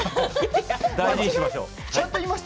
大事にしましょう。